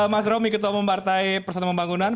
mas romy ketua umum partai persenama pembangunan